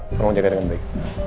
kamu jaga dengan baik